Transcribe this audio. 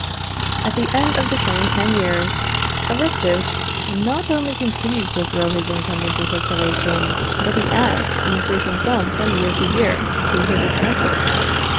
At the end of the same ten years Aristus not only continues to throw his income into circulation, but he adds an increasing sum from year to year to his expenses.